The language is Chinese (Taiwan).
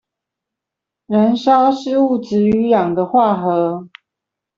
燃燒是物質與氧的化合